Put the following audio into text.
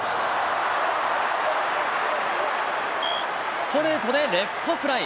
ストレートでレフトフライ。